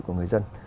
của người dân